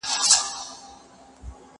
زه پرون د کتابتون لپاره کار کوم؟